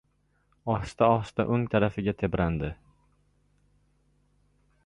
Ohista-ohista o‘ng tarafiga tebrandi.